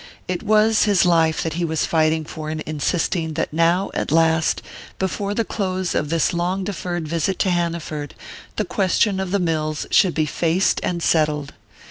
It was his life that he was fighting for in insisting that now at last, before the close of this long deferred visit to Hanaford, the question of the mills should be faced and settled.